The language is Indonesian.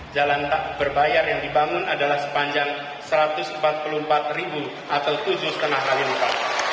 jalan tak berbayar yang dibangun adalah sepanjang satu ratus empat puluh empat ribu atau tujuh lima kali lipat